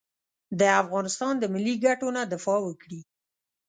د افغانستان د ملي ګټو نه دفاع وکړي.